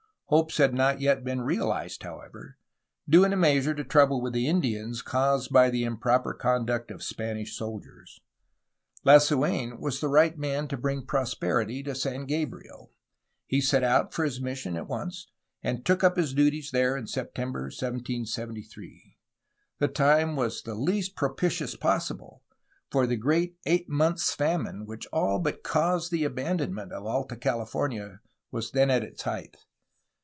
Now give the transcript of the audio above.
Hopes had not yet been realized, however, due in a measure to trouble with the Indians, caused by the improper conduct of Spanish soldiers. Lasuen was the right man to bring prosperity to San Gabriel. He set out for his mission at once, and took up his duties there in September 1773. The time was the least propitious possible, for the great eight FERMIN FRANCISCO DE LASU^N 369 months' famine which all but caused the abandonment of Alta CaHfornia was at its height.